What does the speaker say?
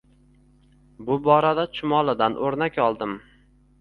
Bu borada chumolidan oʻrnak oldim